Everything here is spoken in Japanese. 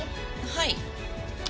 はい。